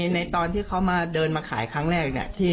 ในตอนที่เขามาเดินมาขายครั้งแรกเนี่ย